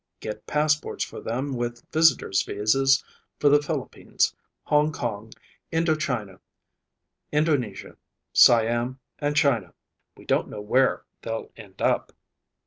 Get passports for them with visitor's visas for the Philippines, Hong Kong, Indo China, Indonesia, Siam, and China. We don't know where they'll end up.